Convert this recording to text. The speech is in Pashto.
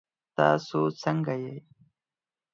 تاسو ځنګه يئ؟